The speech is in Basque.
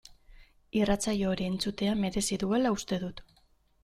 Irratsaio hori entzutea merezi duela uste dut.